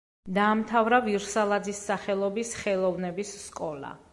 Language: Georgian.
დაამთავრა ვირსალაძის სახელობის ხელოვნების სკოლა.